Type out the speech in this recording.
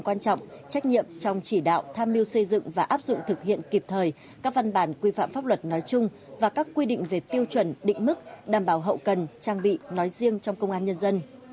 từ đó thống nhất đề xuất phương án xây dựng các quy định về tiêu chuẩn định mức đảm bảo hậu cần trang bị nói riêng trong công an nhân dân